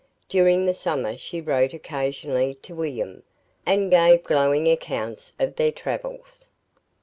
During the summer she wrote occasionally to William, and gave glowing accounts of their travels.